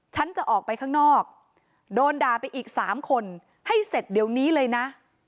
ฉันจะออกไปข้างนอกโดนด่าไปอีก๓คนให้เสร็จเดี๋ยวนี้เลยนะ